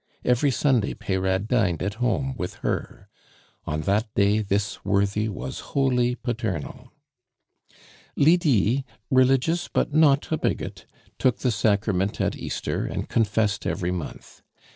Every Sunday Peyrade dined at home with her. On that day this worthy was wholly paternal. Lydie, religious but not a bigot, took the Sacrament at Easter, and confessed every month.